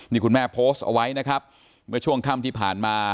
นี่คุณแม่โพสต์เอาไว้ช่วงค่ำที่ผ่านมา